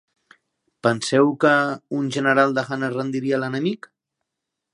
Penseu que un general de Han es rendiria a l'enemic?